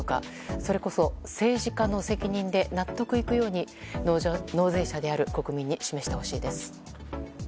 それこそ、政治家の責任で納得いくように納税者である国民に示してほしいです。